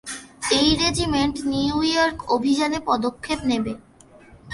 এই regiment new York অভিযানে পদক্ষেপ নেবে।